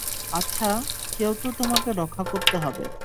আচ্ছা, কেউ তো তোমাকে রক্ষা করতে হবে।